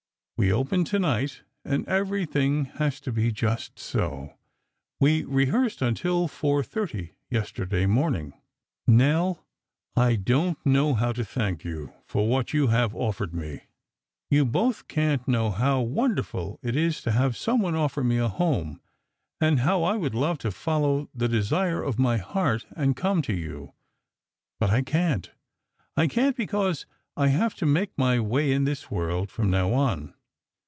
We open tonight, and everything has to be just so; we rehearsed until 4:30 yesterday morning. Nell, I don't know how to thank you for what you have offered me. You both can't know how wonderful it is to have someone offer me a home, and how I would love to follow the desire of my heart and come to you. But I can't. I can't, because I have to make my way in this world from now on.